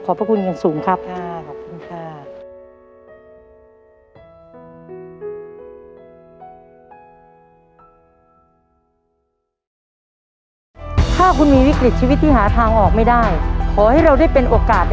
ขอบพระคุณสูงครับ